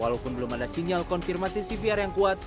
walaupun belum ada sinyal konfirmasi cvr yang kuat